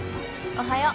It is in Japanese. おはよう。